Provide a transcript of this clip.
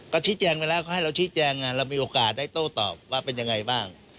ก็ชี้แจงไปแล้วเขาให้เราชี้แจงเรามีโอกาสได้โต้ตอบว่าเป็นยังไงบ้าง